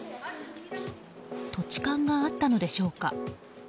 土地勘があったのでしょうか。